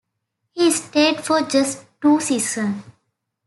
He stayed for just two seasons.